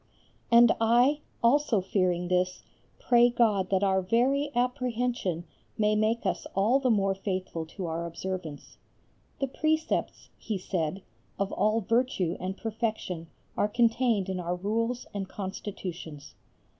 And I, also fearing this, pray God that our very apprehension may make us all the more faithful to our observance. "The precepts," he said, "of all virtue and perfection are contained in our Rules and Constitutions."